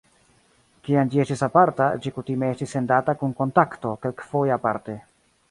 Kiam ĝi estis aparta, ĝi kutime estis sendata kun "Kontakto", kelkfoje aparte.